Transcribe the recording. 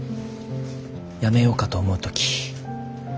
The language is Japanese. やめようかと思う時。